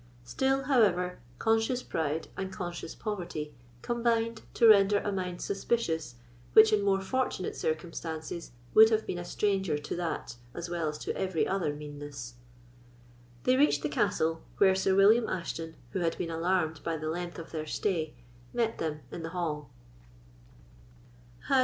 Still, however, conscious pride and conscious poverty combined to render a mind suspicious which in more fortunate circumstances would have been a stranger to that as well as to every other meanness. They reached the castle, where Sir William Ashton, who had been alarmed by the length of their stay, met them in the hall.